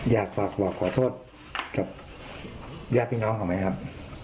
อยากฝากว่าขอโทษกับแย่ปิงอ้อมเขาไหมครับ